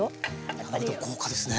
なかなか豪華ですね。